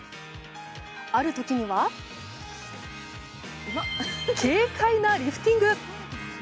ある時には軽快なリフティング。